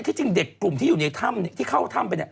ที่จริงเด็กกลุ่มที่อยู่ในถ้ำที่เข้าถ้ำไปเนี่ย